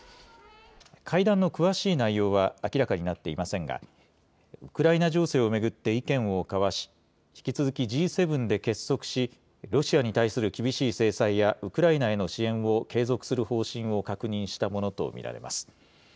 会談の詳しい内容は明らかになっていませんが、ウクライナ情勢を巡って意見を交わし、引き続きＧ７で結束し、ロシアに対する厳しい制裁やウクライナへの支援を継続する方針を確認したものと見られます。